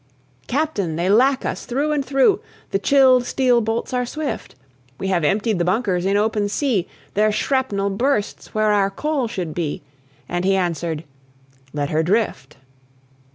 "Captain, they lack us through and through; The chilled steel bolts are swift! We have emptied the bunkers in open sea, Their shrapnel bursts where our coal should be." And he answered, "Let her drift."